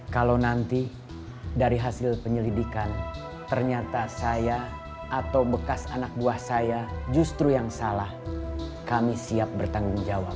kalau nanti dari hasil penyelidikan ternyata saya atau bekas anak buah saya justru yang salah kami siap bertanggung jawab